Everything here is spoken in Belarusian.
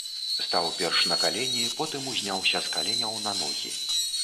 Стаў перш на калені, потым узняўся з каленяў на ногі.